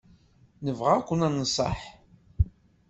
Nebɣa ad k-nenṣeḥ.